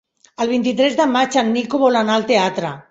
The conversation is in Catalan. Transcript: El vint-i-tres de maig en Nico vol anar al teatre.